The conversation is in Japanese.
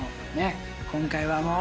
今回はもう。